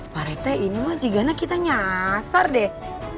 pak retek ini mah jika kita nyasar deh